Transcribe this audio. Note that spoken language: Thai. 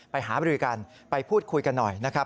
ไปหาบริกันไปพูดคุยกันหน่อยนะครับ